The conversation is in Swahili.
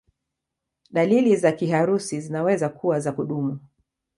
Dalili za kiharusi zinaweza kuwa za kudumu.